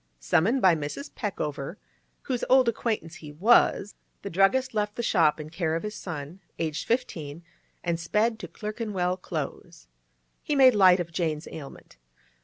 Summoned by Mrs. Peckover, whose old acquaintance he was, the druggist left the shop in care of his son, aged fifteen, and sped to Clerkenwell Close. He made light of Jane's ailment.